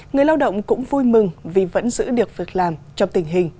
người lao động cũng vui mừng vì vẫn giữ được việc làm trong tình hình